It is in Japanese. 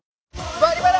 「バリバラ」！